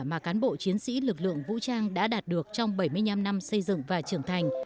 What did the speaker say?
mà cán bộ chiến sĩ lực lượng vũ trang đã đạt được trong bảy mươi năm năm xây dựng và trưởng thành